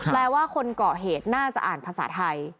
แปลว่าคนเกาะเหตุน่าจะอ่านภาษาไทย